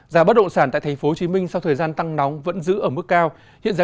giá bất động sản tại thành phố hồ chí minh sau thời gian tăng nóng vẫn giữ ở mức cao hiện giá